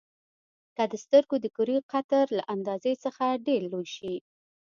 که د سترګو د کرې قطر له اندازې څخه ډېر لوی شي.